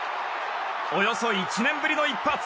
およそ１年ぶりの一発。